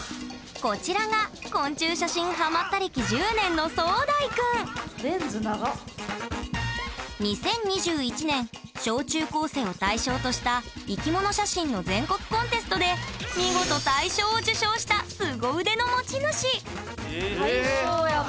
こちらが昆虫写真ハマった歴１０年の２０２１年小中高生を対象とした生きもの写真の全国コンテストで見事大賞を受賞したすご腕の持ち主！